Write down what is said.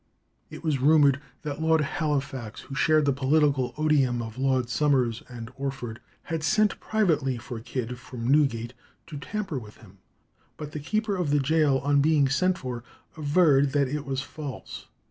It was rumoured that Lord Halifax, who shared the political odium of Lord Somers and Orford, had sent privately for Kidd from Newgate to tamper with him, but "the keeper of the gaol on being sent for averred that it was false."